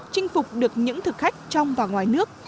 chinh phục được những thực khách trong và ngoài nước